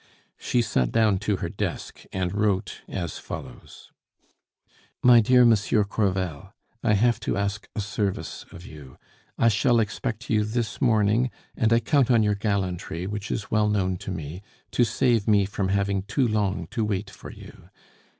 She sat down to her desk and wrote as follows: "MY DEAR MONSIEUR CREVEL, I have to ask a service of you; I shall expect you this morning, and I count on your gallantry, which is well known to me, to save me from having too long to wait for you.